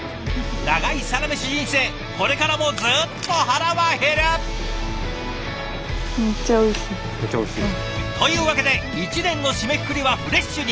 長いサラメシ人生これからもずっと腹は減る！というわけで一年の締めくくりはフレッシュに！